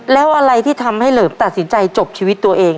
แล้วอะไรที่ทำให้เหลิมตัดสินใจจบชีวิตตัวเอง